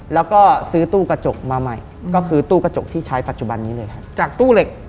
แล้วก็ซื้อตู้กระจกมาใหม่ก็คือตู้กระจกที่ใช้ปัจจุบันนี้เลยครับจากตู้เหล็ก